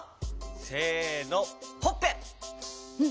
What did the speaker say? せのほっぺ！